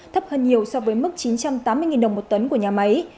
thấp hơn nhiều so với mức chín trăm tám mươi đồng một tấn của nhà máy